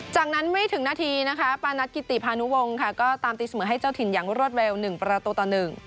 จากนั้นไม่ถึงนาทีนะคะปานัทกิติพานุวงศ์ค่ะก็ตามตีเสมอให้เจ้าถิ่นอย่างรวดเร็ว๑ประตูต่อ๑